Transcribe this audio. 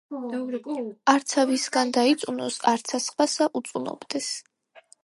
არცა ვისგან დაიწუნოს, არცა სხვასა უწუნობდეს.